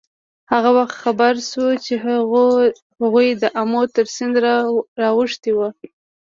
هغه وخت خبر شو چې هغوی د آمو تر سیند را اوښتي وو.